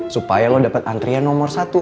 supaya lo dapat antrian nomor satu